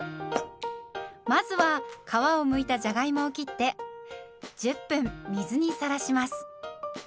まずは皮をむいたじゃがいもを切って１０分水にさらします。